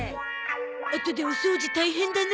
あとでお掃除大変だね。